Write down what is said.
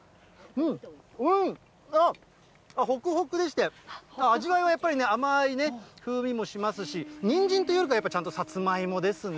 うん、あっ、ほくほくでして、味わいはやっぱりね、甘い風味もしますし、にんじんというか、ちゃんとさつまいもですね。